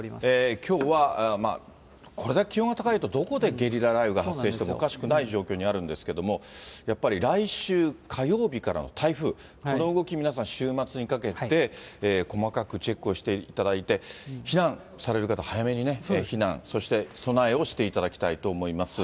きょうはこれだけ気温が高いとどこでゲリラ雷雨が発生してもおかしくない状況にあるんですけれども、やっぱり来週火曜日からの台風、この動き、皆さん、週末にかけて細かくチェックをしていただいて、避難される方、早めに避難、そして備えをしていただきたいと思います。